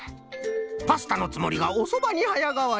パスタのつもりがおそばにはやがわり。